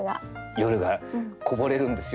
夜がこぼれるんですよね。